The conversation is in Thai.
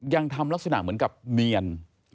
ยังทำลักษณะเหมือนกับเนียน